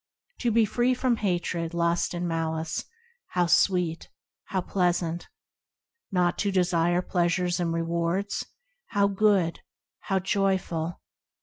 To be free from hatred, lust and malice,– How sweet ! How pleasant ! Not to desire pleasures and rewards,– How good ! How joyful